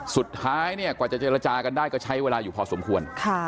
สุดท้ายเนี่ยกว่าจะเจรจากันได้ก็ใช้เวลาอยู่พอสมควร